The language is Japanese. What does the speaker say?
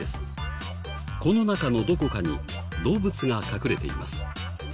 この中のどこかに動物が隠れています。